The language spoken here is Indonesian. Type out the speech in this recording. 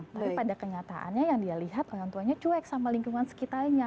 tapi pada kenyataannya yang dia lihat orang tuanya cuek sama lingkungan sekitarnya